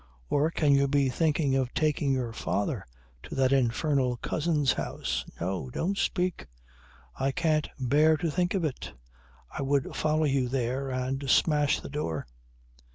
Or can you be thinking of taking your father to that infernal cousin's house. No! Don't speak. I can't bear to think of it. I would follow you there and smash the door!"